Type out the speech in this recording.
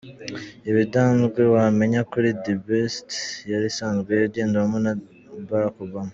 Ibidanzwe wamenya kuri ‘The beast ‘ yari isanzwe igendwamo na Barack Obama.